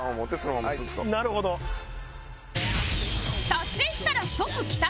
達成したら即帰宅